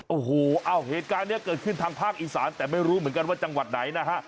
โอ้โหเหตุการณ์นี้เกิดขึ้นทางภาคอีสานแต่ไม่รู้เหมือนกันว่าจังหวัดไหนนะฮะ